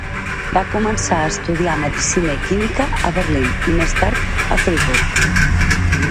Va començar a estudiar medicina i química a Berlín i més tard a Friburg.